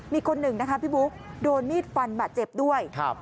มีคนหนึ่งนะคะพี่บุ๊คโดนมีดฟันบาดเจ็บด้วยครับ